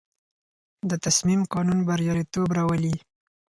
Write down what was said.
د تصمیم قانون بریالیتوب راولي.